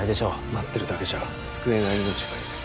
待ってるだけじゃ救えない命があります